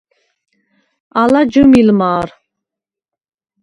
ალა ჯჷმილ მა̄რ.